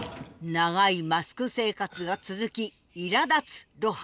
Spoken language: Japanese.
長いマスク生活が続きいらだつ露伴。